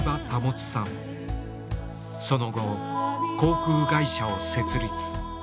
その後航空会社を設立。